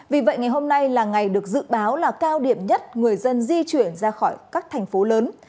vì vậy ngày hôm nay là ngày được dự báo là cao điểm nhất người dân di chuyển ra khỏi các thành phố lớn